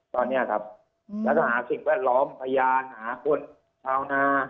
ตอนนี้ครับอยากจะหาสิ่งแวดล้อมพยานอยากจะหาคนเช้าหน้า